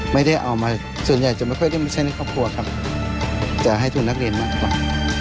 ไม่ได้เอามาส่วนใหญ่จะไม่ค่อยได้มาใช้ในครอบครัวครับแต่ให้ทุนนักเรียนมากกว่า